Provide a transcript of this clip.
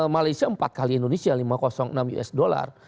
malaysia empat kali indonesia lima ratus enam us dollar